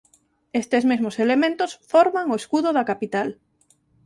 Estes mesmos elementos forman o escudo da capital.